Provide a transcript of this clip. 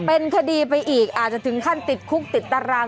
เป็นคดีไปอีกอาจจะถึงขั้นติดคุกติดตาราง